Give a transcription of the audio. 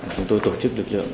chúng tôi tổ chức lực lượng